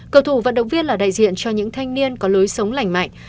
cầu thủ vận động viên là đại diện cho những thanh niên có lối sống lành mạnh